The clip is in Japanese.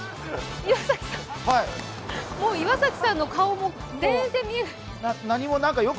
もう岩崎さんの顔も全然見えない